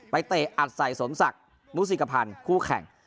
เตะอัดใส่สมศักดิ์มุสิกภัณฑ์คู่แข่ง